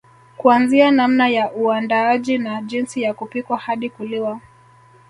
Kuanzia namna ya uandaaji na jinsi ya kupikwa hadi kuliwa